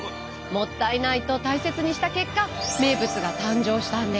もったいないと大切にした結果名物が誕生したんです。